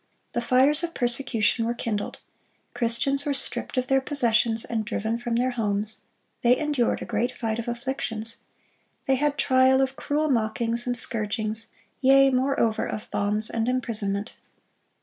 The fires of persecution were kindled. Christians were stripped of their possessions, and driven from their homes. They "endured a great fight of afflictions."(58) They "had trial of cruel mockings and scourgings, yea, moreover of bonds and imprisonment."